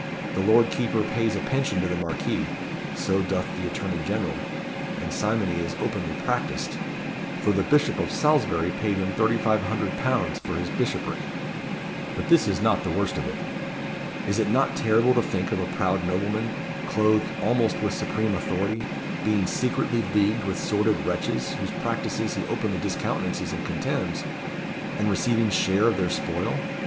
The lord keeper pays a pension to the Marquis so doth the attorney general and simony is openly practised; for the Bishop of Salisbury paid him £3,500 for his bishopric. But this is not the worst of it. Is it not terrible to think of a proud nobleman, clothed almost with supreme authority, being secretly leagued with sordid wretches, whose practices he openly discountenances and contemns, and receiving share of their spoil?